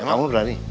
emang kamu berani